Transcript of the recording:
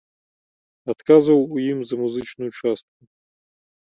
Адказваў у ім за музычную частку.